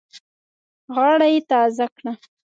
غاړه یې تازه کړه.